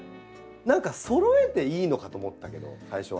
何かそろえていいのかと思ったけど最初は。